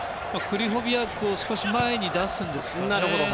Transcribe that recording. クリホビアクを少し前に出すんですかね。